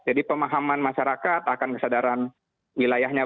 jadi pemahaman masyarakat akan kesadaran wilayahnya